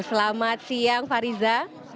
selamat siang fariza